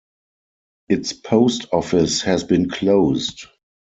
Its post office has been closed.